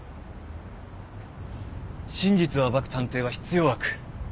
真実を暴く探偵は必要悪。